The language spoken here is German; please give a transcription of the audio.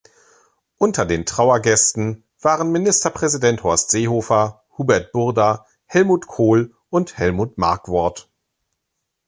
Unter den Trauergästen waren Ministerpräsident Horst Seehofer, Hubert Burda, Helmut Kohl und Helmut Markwort.